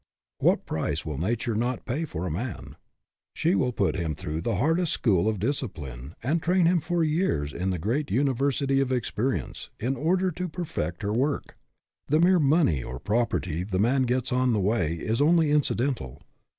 What price will Nature not pay for a man ? She will put him through the hardest school of discipline, and train him for years in the great university of experience, in order to per fect her work. The mere money or property the man gets on the way is only incidental.